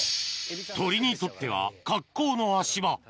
鳥にとっては格好の足場